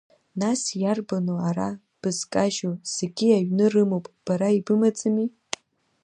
Нас иарбану ара бызкажьу, зегьы аҩны рымоуп, бара ибымаӡами?